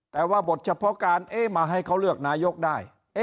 แต่ว่าบทเฉพาะการมาให้เขาเลือกนายกได้